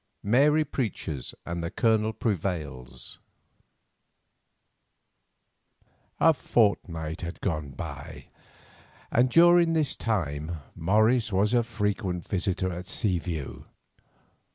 MARY PREACHES AND THE COLONEL PREVAILS A fortnight had gone by, and during this time Morris was a frequent visitor at Seaview.